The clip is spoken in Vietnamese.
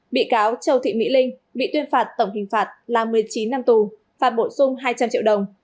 bị cáo châu thị mỹ linh bị tuyên phạt tổng hình phạt là một mươi chín năm tù phạt bổ sung hai trăm linh triệu đồng